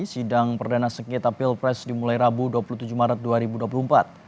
sidang perdana sengketa pilpres dimulai rabu dua puluh tujuh maret dua ribu dua puluh empat